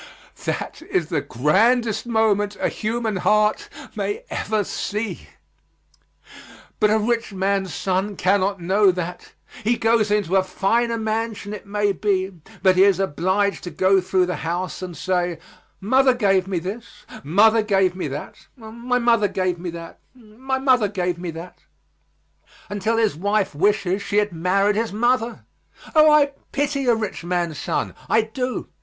That is the grandest moment a human heart may ever see. But a rich man's son cannot know that. He goes into a finer mansion, it may be, but he is obliged to go through the house and say, "Mother gave me this, mother gave me that, my mother gave me that, my mother gave me that," until his wife wishes she had married his mother. Oh, I pity a rich man's son. I do.